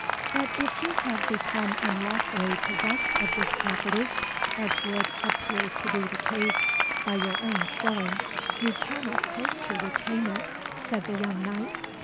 "But if you have become unlawfully possessed of this property, as would appear to be the case by your own showing, you cannot hope to retain it," said the young knight.